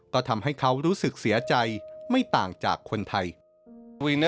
ก็ทำให้เขารู้สึกเสียใจไม่ต่างจากคนไทย